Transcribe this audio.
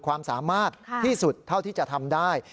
ความสามารถที่สุดเท่าที่จะทำได้